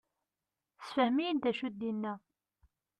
Sefhem-iyi-d d acu i d-inna.